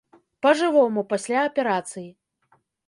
Па жывому, пасля аперацыі.